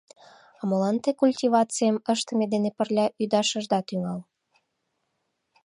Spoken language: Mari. — А молан те культивацийым ыштыме дене пырля ӱдаш ышда тӱҥал?